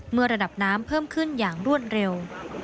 ระดับน้ำเพิ่มขึ้นอย่างรวดเร็ว